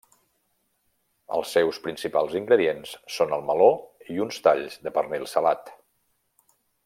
Els seus principals ingredients són el meló i uns talls de pernil salat.